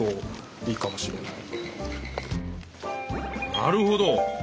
なるほど！